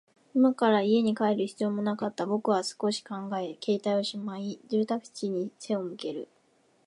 今から家に帰る必要もなかった。僕は少し考え、携帯をしまい、住宅地に背を向ける。